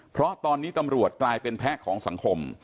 เพราะตอนนี้ตำรวจกลายเป็นแพ้ของสังคม